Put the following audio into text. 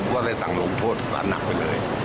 ผมก็ได้สั่งโรงโทษสำนักไปเลย